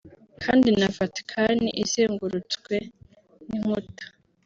kandi na Vatican izengurutswe n’inkuta